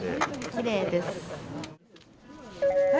きれいです。